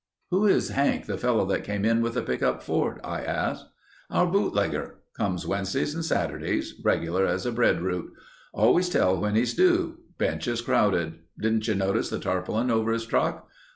"Who is Hank, the fellow that came in with the pickup Ford?" I asked. "Our bootlegger. Comes Wednesdays and Saturdays. Regular as a bread route. Always tell when he's due. Bench is crowded. Didn't you notice the tarpaulin over his truck?